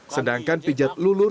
sedangkan pijat lulur